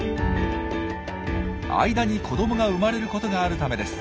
間に子どもが生まれることがあるためです。